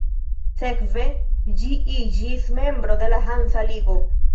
Sekve ĝi iĝis membro de la Hansa Ligo.